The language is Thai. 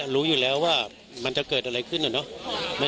รู้อยู่แล้วว่ามันจะเกิดอะไรขึ้นนะเนอะ